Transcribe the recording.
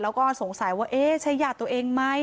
แล้วก็สงสัยว่าเอ๊ะใช่ญาติตัวเองไหม